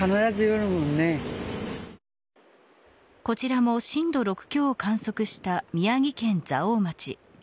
こちらも震度６強を観測した宮城県蔵王町。